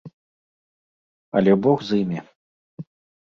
Але бог з імі.